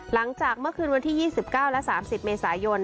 หลังจากเมื่อคืนวันที่๒๙และ๓๐เมษายน